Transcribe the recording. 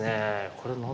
これ何？